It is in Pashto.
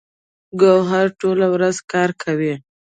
ګوهر ټوله ورځ کار کوي